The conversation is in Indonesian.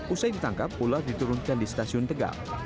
usai ditangkap ular diturunkan di stasiun tegal